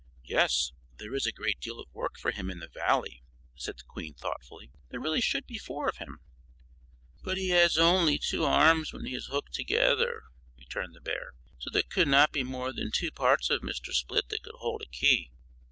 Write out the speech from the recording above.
"Yes, there is a great deal of work for him in the Valley," said the Queen, thoughtfully; "there really should be four of him." "But he has only two arms when he is hooked together," returned the bear; "so there could not be more than two parts of Mr. Split that could hold a key."